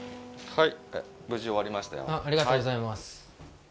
はい。